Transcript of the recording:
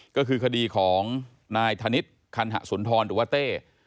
ก็คือคดีของนายธนิษฐ์คันหะสุนทรหรือว่าเต้